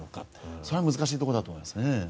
それは難しいところだと思いますね。